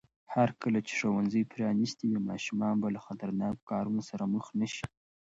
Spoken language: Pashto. هرکله چې ښوونځي پرانیستي وي، ماشومان به له خطرناکو کارونو سره مخ نه شي.